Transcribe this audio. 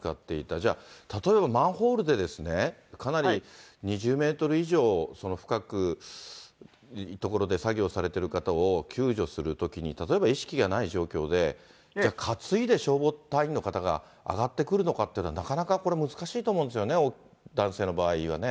じゃあ、例えばマンホールでかなり２０メートル以上その深い所で作業されてる方を救助するときに、例えば意識がない状況で、じゃあ、担いで消防隊員の方が上がってくるのかって、なかなかこれ、難しいと思うんですよね、男性の場合はね。